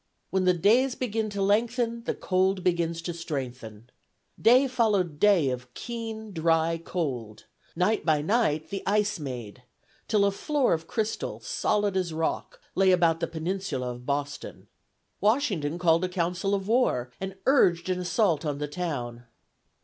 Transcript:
"When the days begin to lengthen, the cold begins to strengthen." Day followed day of keen, dry cold; night by night the ice "made," till a floor of crystal, solid as rock, lay about the peninsula of Boston. Washington called a council of war and urged an assault on the town.